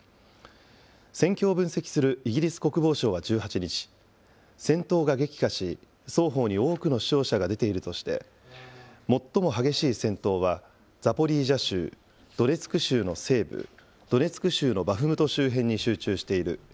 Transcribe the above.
戦況を分析するイギリス国防省は１８日、戦闘が激化し、双方に多くの死傷者が出ているとして、最も激しい戦闘はザポリージャ州、ドネツク州の西部、ドネツク州のバフムト周辺に集中している。